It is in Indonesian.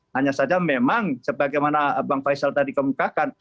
hanya saja memang sebagaimana bang faisal tadi kemukakan